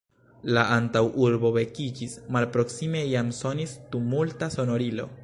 La antaŭurbo vekiĝis; malproksime jam sonis tumulta sonorilo.